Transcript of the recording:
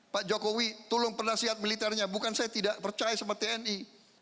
pak jokowi tolong penasihat militernya bukan saya tidak percaya sama tni